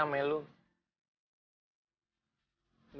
gue percaya sama lu